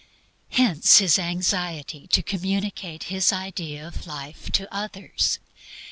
Hence His anxiety to communicate His idea of life to others.